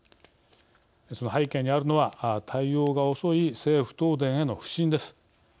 その背景にあるのは対応が遅い政府・東電への不信です。